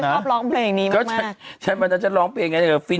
เขาไม่ชอบร้องเพลงนี้มากฉันมันจะร้องเพลงไงเถอะ